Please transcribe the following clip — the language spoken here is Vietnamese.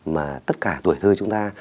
mà tất cả tuổi thư chúng ta